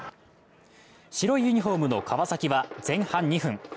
白いユニフォームの川崎は前半２分